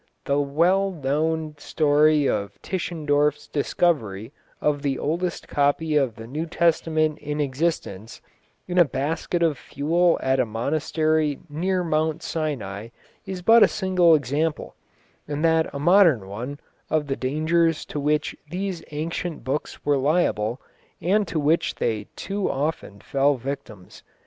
The well known story of Tischendorf's discovery of the oldest copy of the New Testament in existence, in a basket of fuel at a monastery near Mount Sinai is but a single example, and that a modern one, of the dangers to which these ancient books were liable, and to which they too often fell victims.